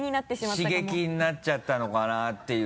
刺激になっちゃったのかなっていう。